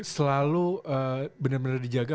selalu bener bener dijaga